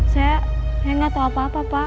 saya gak tau apa apa pak